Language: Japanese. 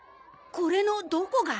これのどこが？